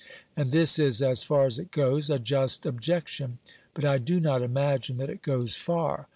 And this is as far as it goes a just objection, but I do not imagine that it goes far.